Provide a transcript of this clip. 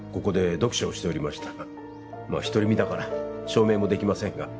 独り身だから証明もできませんが。